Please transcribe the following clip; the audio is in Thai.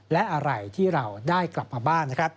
และอะไรที่เราได้กลับมาบ้าน